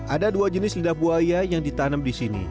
ada dua jenis lidah buaya yang ditanam di sini